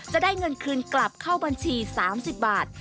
จะได้เงินคืนกลับเข้าบัญชี๓๐บาท